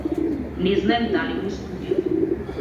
Не знаев дали му студи.